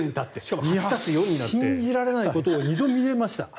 信じられないことを２度見れました。